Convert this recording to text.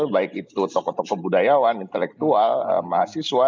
baik itu tokoh tokoh budayawan intelektual mahasiswa